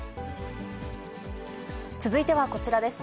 続いてはこちらです。